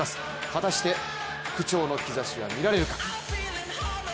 果たして復調の兆しは見られるか。